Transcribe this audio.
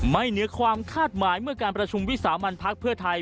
เหนือความคาดหมายเมื่อการประชุมวิสามันพักเพื่อไทย